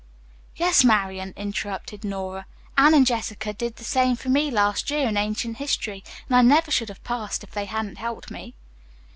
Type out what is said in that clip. "Yes, Marian," interrupted Nora. "Anne and Jessica did that for me last year in ancient history, and I never should have passed if they hadn't helped me."